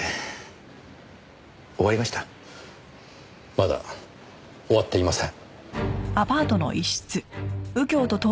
まだ終わっていません。